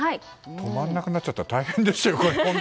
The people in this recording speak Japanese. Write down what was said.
止まらなくなっちゃったら大変ですよ。